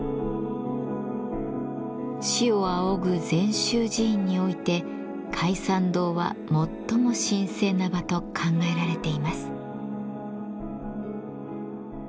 師を仰ぐ禅宗寺院において開山堂は最も神聖な場と考えられています。